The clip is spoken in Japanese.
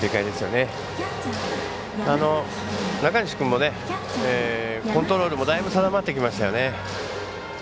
中西君も、コントロールもだいぶ定まってきましたよね。